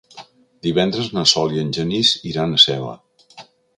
Divendres na Sol i en Genís iran a Seva.